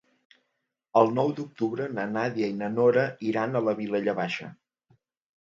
El nou d'octubre na Nàdia i na Nora iran a la Vilella Baixa.